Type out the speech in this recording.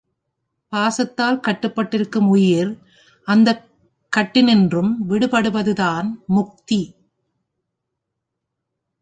பாசத்தால் கட்டுப்பட்டிருக்கும் உயிர் அந்தக் கட்டினின்றும் விடுபடுவதுதான் முக்தி.